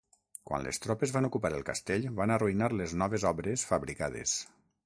Quan les tropes van ocupar el castell, van arruïnar les noves obres fabricades.